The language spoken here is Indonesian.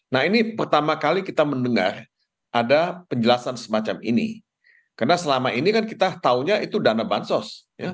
nah ini pertama kali kita mendengar ada penjelasan semacam ini karena selama ini kan kita tahunya itu dana bansos